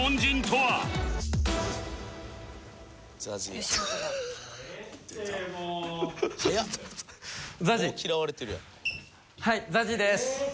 はいＺＡＺＹです。